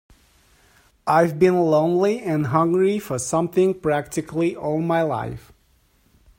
I've been lonely and hungry for something practically all my life.